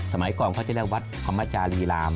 สมัยก่อนเขาจะเรียกวัดธรรมจารีราม